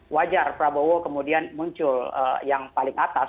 wajar prabowo kemudian muncul yang paling atas